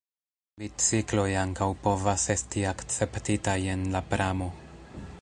Bicikloj ankaŭ povas esti akceptitaj en la pramo.